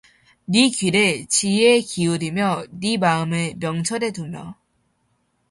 네 귀를 지혜에 기울이며 네 마음을 명철에 두며